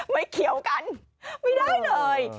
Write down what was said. เขียวกันไม่ได้เลย